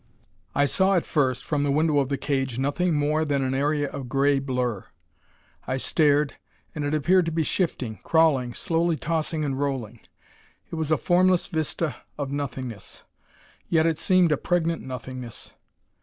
_ I saw at first, from the window of the cage, nothing more than an area of gray blur. I stared, and it appeared to be shifting, crawling, slowly tossing and rolling. It was a formless vista of Nothingness, yet it seemed a pregnant Nothingness.